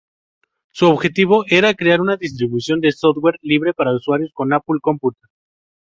Su objetivo era crear una distribución de software libre para usuarios de Apple Computer.